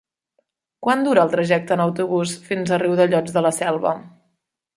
Quant dura el trajecte en autobús fins a Riudellots de la Selva?